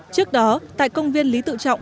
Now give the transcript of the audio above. trước đó tại công viên lý tự trọng